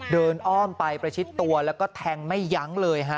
อ้อมไปประชิดตัวแล้วก็แทงไม่ยั้งเลยฮะ